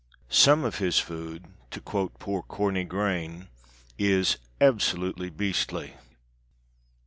Some of his food, to quote poor Corney Grain, is "absolutely beastly."